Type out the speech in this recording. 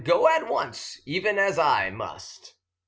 Go at once, even as I must."